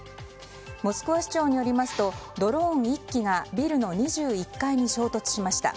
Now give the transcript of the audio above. モスクワ市長によりますとドローン１機がビルの２１階に衝突しました。